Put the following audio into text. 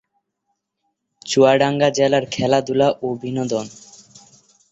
চুয়াডাঙ্গা জেলার খেলাধুলা ও বিনোদন